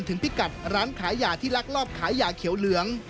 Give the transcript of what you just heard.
พิกัดร้านขายยาที่ลักลอบขายยาเขียวเหลือง